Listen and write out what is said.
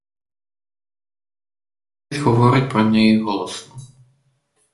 Зрештою по місті скрізь говорять про неї голосно.